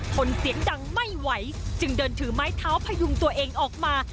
ทนเสียงดังไม่ไหวจึงเดินถือไม้เท้าพยุงตัวเองออกมา